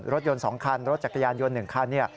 รถยนต์๒คันรถจักรยานยนต์๑คันเนี่ย